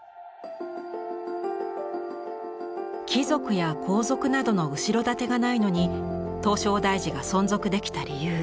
貴族や皇族などの後ろ盾がないのに唐招提寺が存続できた理由。